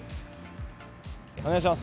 お願いします。